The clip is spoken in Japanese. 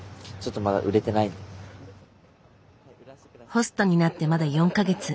ホストになってまだ４か月。